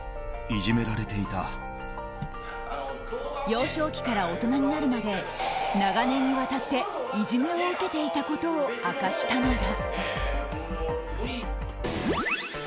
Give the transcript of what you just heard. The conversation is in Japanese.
幼少期から大人になるまで長年にわたっていじめを受けていたことを明かしたのだ。